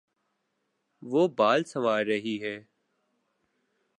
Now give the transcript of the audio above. وہ بال سنوار رہی ہے